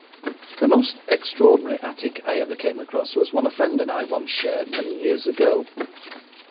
The most extraordinary attic I ever came across was one a friend and I once shared many years ago.